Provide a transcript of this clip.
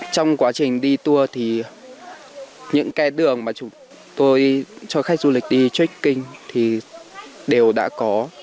trong quá trình đi tour thì những cái đường mà chúng tôi cho khách du lịch đi checking thì đều đã có